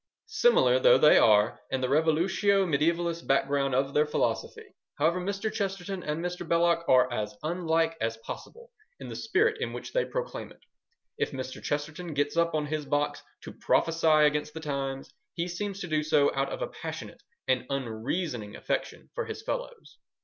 Similar though they are in the revolutio mediaevalist background of their philosophy, however, Mr. Chesterton and Mr. Belloc are as unlike as possible in the spirit in which they proclaim it. If Mr. Chesterton gets up on his box to prophesy against the times, he seems to do so out of a passionate and unreasoning affection for his fellows.